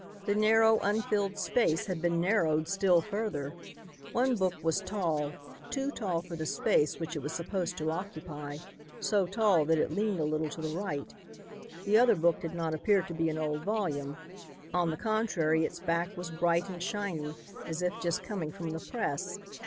The narrow, unfilled space had been narrowed still further. One book was tall, too tall for the space which it was supposed to occupy, so tall that it leaned a little to the right. The other book did not appear to be an old volume. On the contrary its back was bright and shiny as if just coming from the press.